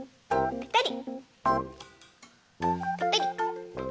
ぺたり。